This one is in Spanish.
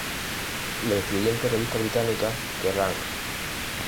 La influyente revista británica Kerrang!